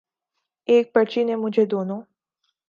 ایک پرچی نے مجھے دونوں